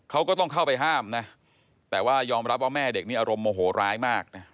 เขาก็ต้องเข้าไปห้ามนะแต่ว่ายอมรับว่าแม่เด็กนี้อารมณ์โมโหร้ายมากนะ